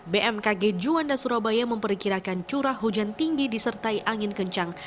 bmkg juanda surabaya memperkirakan curah hujan tinggi disertai angin kencang